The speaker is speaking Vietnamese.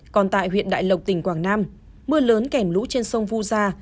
còn tại huyện đại lộc tỉnh quảng nam mưa lớn kèm lũ trên sông vu gia